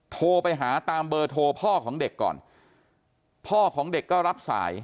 โทรไปหาตามเบอร์โทรพ่อของเด็กก่อนพ่อของเด็กก็รับสาย